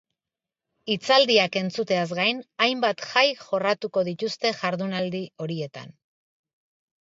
Hitzaldiak entzuteaz gain, hainbat jai jorratuko dituzte jardunaldi horietan.